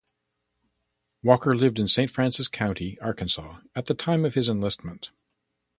Walker lived in Saint Francis County, Arkansas at the time of his enlistment.